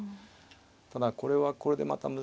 ただこれはこれでまた難しいですね。